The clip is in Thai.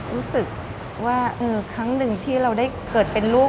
รู้สึกว่าครั้งหนึ่งที่เราได้เกิดเป็นลูก